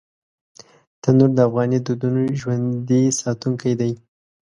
تنور د افغاني دودونو ژوندي ساتونکی دی